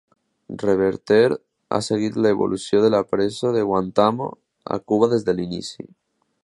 Reverter ha seguit l'evolució de la presó de Guantánamo a Cuba des de l'inici.